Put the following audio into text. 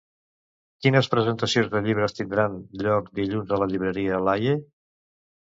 Quines presentacions de llibres tindran lloc dilluns a la llibreria Laie?